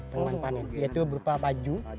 temuan panen yaitu berupa baju